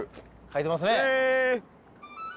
書いてますね。